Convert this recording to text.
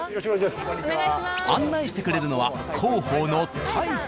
案内してくれるのは。